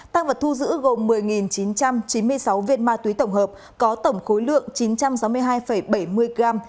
tăng vật thu giữ gồm một mươi chín trăm chín mươi sáu viên ma túy tổng hợp có tổng khối lượng chín trăm sáu mươi hai bảy mươi gram